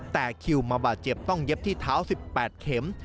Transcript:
แต่คิวมาบาดเจ็บต้องเย็บที่เท้า๑๘เข็ม